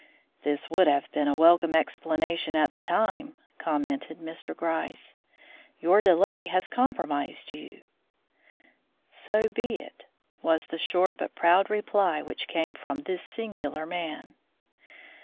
"This would have been a welcome explanation at the time," commented Mr. Gryce. "Your delay has compromised you." "So be it," was the short but proud reply which came from this singular man.